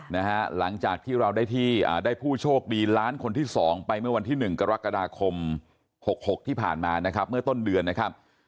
หลังจากที่เราได้ที่ได้ผู้โชคดีล้านคนที่สองไปเมื่อวันที่๑กรกฎาคม๖๖ที่ผ่านมานะครับเมื่อต้นเดือนนะครับ